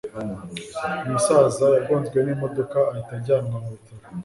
umusaza yagonzwe n'imodoka ahita ajyanwa mu bitaro